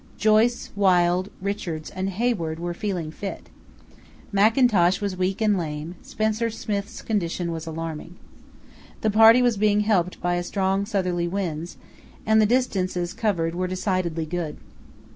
Joyce, Wild, Richards, and Hayward were feeling fit. Mackintosh was lame and weak; Spencer Smith's condition was alarming. The party was being helped by strong southerly winds, and the distances covered were decidedly good.